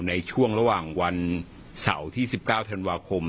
ในช่วงระหว่างวันเสาร์ที่๑๙ธันวาคม